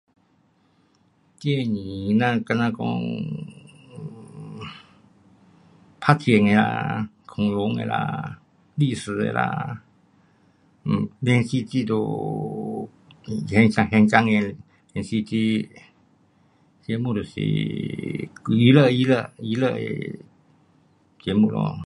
电影咱好像讲，呃，打剑的啊，恐龙的啊，历史的啊，um 连续剧就有，轻松的连续剧，这样都是娱乐娱乐的节目咯。